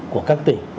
của các tỉnh